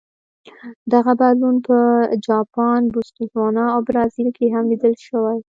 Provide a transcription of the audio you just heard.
دغه بدلون په جاپان، بوتسوانا او برازیل کې هم لیدل شوی.